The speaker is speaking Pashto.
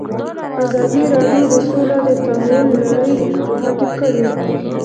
ازادي راډیو د سوله د تحول لړۍ تعقیب کړې.